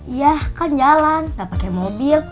iya kan jalan gak pakai mobil